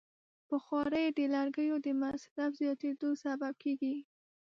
بخاري د لرګیو د مصرف زیاتیدو سبب کېږي.